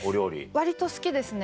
割と好きですね。